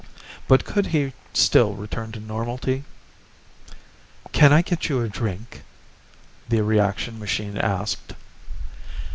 But could he still return to normality? "Can I get you a drink?" the reaction machine asked.